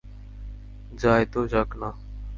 যায় তো যাক-না।